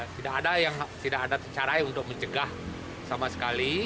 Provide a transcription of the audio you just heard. tidak ada yang tidak ada cara untuk menjaga sama sekali